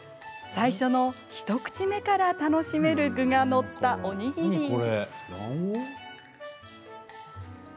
最初の一口目から楽しめる具がのったおにぎり。